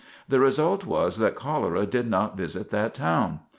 The result was that cholera did not visit that town.